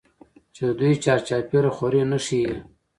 چې د دوى چار چاپېر خورې نښي ئې